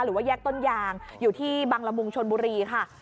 หรือว่าแยกต้นยางอยู่ที่บังละมุงชนบุรีค่ะ